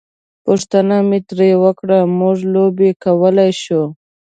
پوښتنه مې ترې وکړه: موږ لوبې کولای شو؟